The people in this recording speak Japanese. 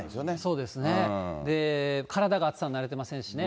そうですね、体が暑さに慣れてませんしね。